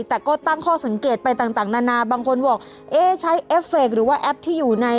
แต่ก็ตั้งข้อสังเกตไปต่างนานาบางคนบอกเอ๊ะใช้เอฟเฟคหรือว่าแอปที่อยู่ใน